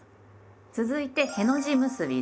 続いて「への字結び」です。